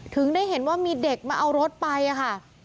ถึงได้เห็นว่ามีเด็กมาเอารถไปค่ะ